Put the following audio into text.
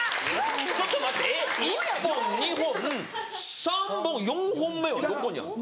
ちょっと待ってえっ１本２本３本４本目はどこにあんの？